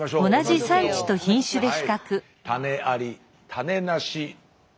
種あり種なし。